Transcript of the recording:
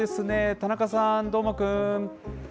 田中さん、どーもくん。